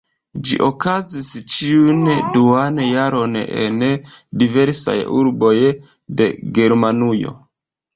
Ĝi okazas ĉiun duan jaron en diversaj urboj de Germanujo.